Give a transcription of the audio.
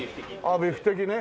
あっビフテキね。